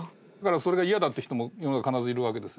それがイヤだって人も世の中、必ずいるわけですよ。